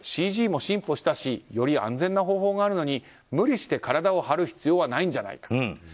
ＣＧも進歩したしより安全な方法があるのに無理して体を張る必要はないんじゃないか。